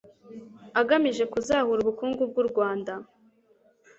agamije kuzahura ubukungu bw'u Rwanda